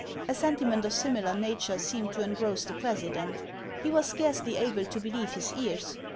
A sentiment of similar nature seemed to engross the president. He was scarcely able to believe his ears.